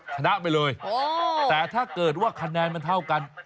สู้ไปเลยแต่ว่าพอคะแนนควรเท่ากัน